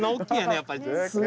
やっぱり。